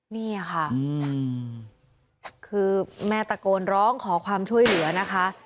นี่ค่ะคือแม่ตะโกนร้องขอความช่วยเหลือนะคะ